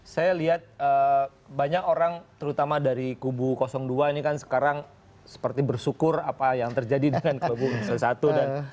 saya lihat banyak orang terutama dari kubu dua ini kan sekarang seperti bersyukur apa yang terjadi dengan kubu satu